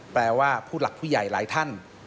แปลว่าผู้หลักผู้ใหญ่หลายท่าน